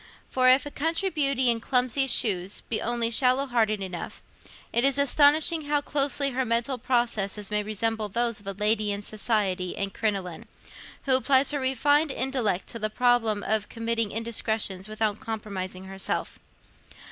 For if a country beauty in clumsy shoes be only shallow hearted enough, it is astonishing how closely her mental processes may resemble those of a lady in society and crinoline, who applies her refined intellect to the problem of committing indiscretions without compromising herself.